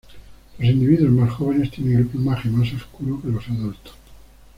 Los individuos más jóvenes tienen el plumaje más oscuro que los adultos.